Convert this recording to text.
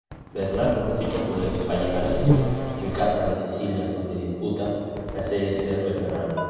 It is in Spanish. Bernardo ficha por el Pallacanestro Licata de Sicilia donde disputa la "Serie C Regional".